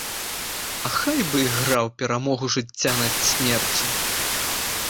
А хай бы іграў перамогу жыцця над смерцю!